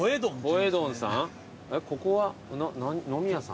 えっここは飲み屋さん？